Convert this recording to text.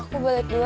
aku udah kenal